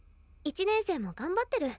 １年生も頑張ってる。